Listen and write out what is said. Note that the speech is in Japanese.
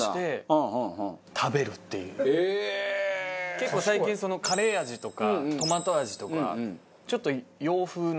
結構最近カレー味とかトマト味とかちょっと洋風な。